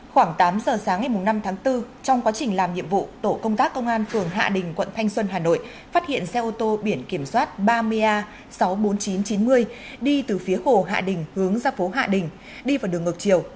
khoảng tám giờ sáng ngày năm tháng bốn trong quá trình làm nhiệm vụ tổ công tác công an phường hạ đình quận thanh xuân hà nội phát hiện xe ô tô biển kiểm soát ba mươi a sáu mươi bốn nghìn chín trăm chín mươi đi từ phía hồ hạ đình hướng ra phố hạ đình đi vào đường ngược chiều